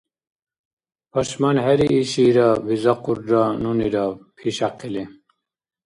— ПашманхӀериишира? — бизахъурра нунира, пишяхъили.